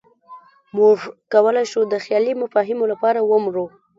موږ کولی شو د خیالي مفاهیمو لپاره ومرو.